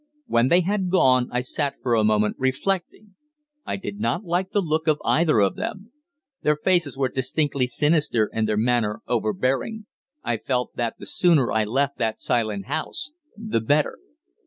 When they had gone, I sat for a moment reflecting. I did not like the look of either of them. Their faces were distinctly sinister and their manner overbearing. I felt that the sooner I left that silent house the better.